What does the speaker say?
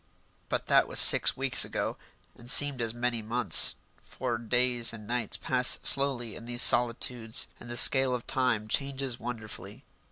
But that was six weeks ago, and seemed as many months, for days and nights pass slowly in these solitudes and the scale of time changes wonderfully.